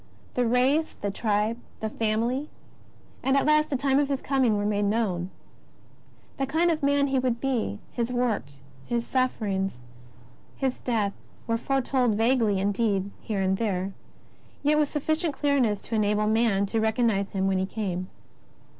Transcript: The race, the tribe, the family, and at last the time of His Coming, were made known. The kind of man He would be. His work. His sufferings, His death, were foretold vaguely indeed, here and there, yet with sufficient clearness to enable man to recosrnize Him when He came.